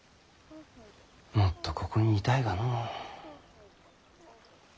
もっとここにいたいがのう。